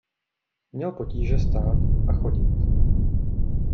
Měl potíže stát a chodit.